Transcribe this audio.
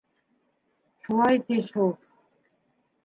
— Шулай, ти, шул.